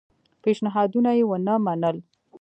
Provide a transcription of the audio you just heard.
پېشنهادونه یې ونه منل.